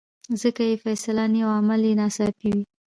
ځکه یې فیصله آني او عمل یې ناڅاپي وي.